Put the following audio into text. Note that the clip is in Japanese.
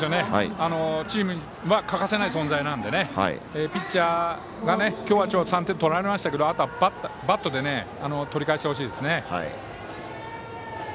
チームには欠かせない存在なので今日は３点取られましたけどあとはバットで取り返してほしいですね。